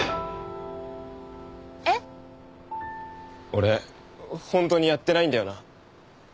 俺本当にやってないんだよな？